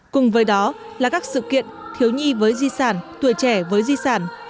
cùng với đó là các sự kiện thiếu nhi với di sản tuổi trẻ với di sản